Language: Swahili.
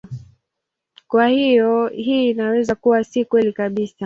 Kwa hiyo hii inaweza kuwa si kweli kabisa.